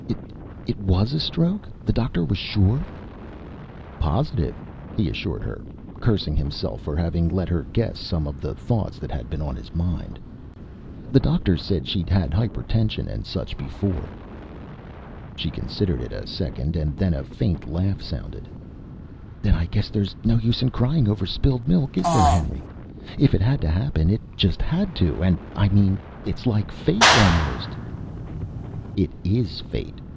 "It was a stroke? The doctor was sure?" "Positive," he assured her, cursing himself for having let her guess some of the thoughts that had been on his mind. "The doctor said she'd had hypertension and such before." She considered it a second, and then a faint laugh sounded. "Then I guess there's no use in crying over spilled milk, is there, Henry? If it had to happen, it just had to. And I mean, it's like fate, almost!" "It is fate!"